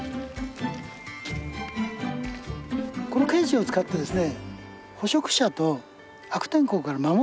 このケージを使ってですね